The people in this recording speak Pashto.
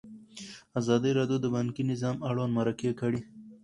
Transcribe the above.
ازادي راډیو د بانکي نظام اړوند مرکې کړي.